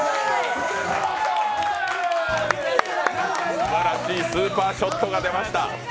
すばらしいスーパーショットが出ました。